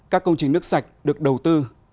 các công trình nước sạch được đầu tư